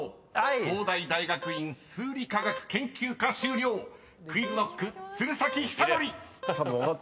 ［東大大学院数理科学研究科修了ＱｕｉｚＫｎｏｃｋ鶴崎修功］